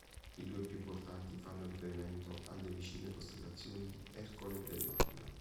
I due più importanti fanno riferimento alle vicine costellazioni di Ercole e dell'Aquila.